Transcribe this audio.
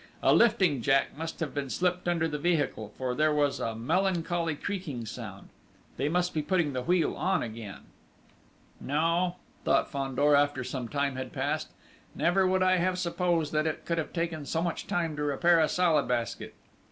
A lifting jack must have been slipped under the vehicle, for there was a melancholy creaking sound. They must be putting the wheel on again!... "No," thought Fandor, after some time had passed. "Never would I have supposed that it could have taken so much time to repair a Salad Basket!...